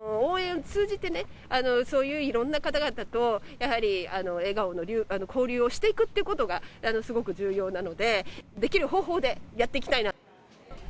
応援を通じてね、そういういろんな方々と、やはり笑顔の交流をしていくっていうことが、すごく重要なので、できる方法でやっていきたいなと。